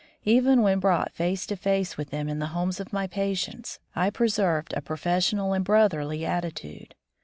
Even when brought face to face with them in the homes of my patients, I preserved a professional and brotherly attitude.